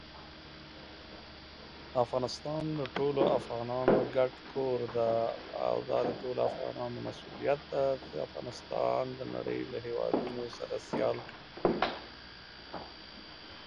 Soon after, the duo began teaming with Joey Matthews, later known as Joey Mercury.